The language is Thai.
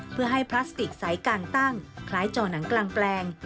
เพื่อให้พลาสติกสายการตั้งคล้ายจอหนังกลางแปลง